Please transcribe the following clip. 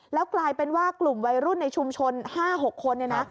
แล้วกลายเป็นว่ากลุ่มวัยรุ่นในชุมชน๕๖คนเนี่ยนะ